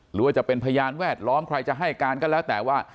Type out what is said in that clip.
หรือว่าจะเป็นพยานแวดล้อมใครจะให้การก็แล้วแต่ว่า